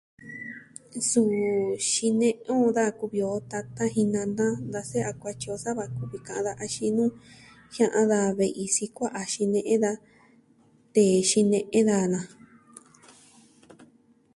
Suu xine'en on daja kuvi tata jin nana da se'ya kuatyi o sava kuvi ka'an daja, axin jia'an da ve'i sikua'a a xine'en daja, tee xine'en daja na.